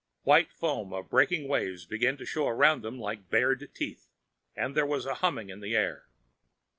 White foam of breaking waves began to show around them like bared teeth, and there was a humming in the air.